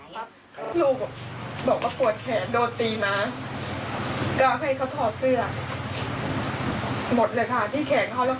ลูกบอกว่าปวดแขนโดนตีมาก็ให้เขาถอดเสื้อ